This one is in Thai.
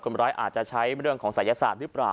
ร้ายอาจจะใช้เรื่องของศัยศาสตร์หรือเปล่า